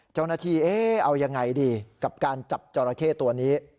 เจ้าหน้าที่เอ๊ะเอายังไงดีกับการจับจอราเข้ตัวนี้